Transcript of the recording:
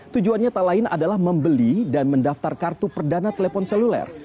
tujuannya tak lain adalah membeli dan mendaftar kartu perdana telepon seluler